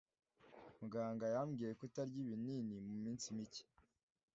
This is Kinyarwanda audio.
Muganga yabwiye kutarya ibinini muminsi mike.